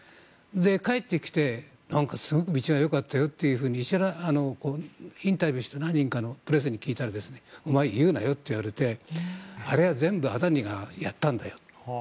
帰ってきて、すごく道が良かったよというふうにインタビューした何人かのプレゼンに聞いたらお前、言うなよって言われてあれは全部アダニがやったんだよ。